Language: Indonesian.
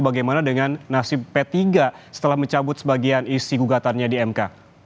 bagaimana dengan nasib p tiga setelah mencabut sebagian isi gugatannya di mk